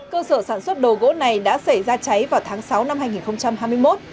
cơ sở sản xuất đồ gỗ này đã xảy ra cháy vào tháng sáu năm hai nghìn hai mươi một